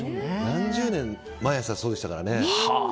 何十年毎朝そうでしたからね。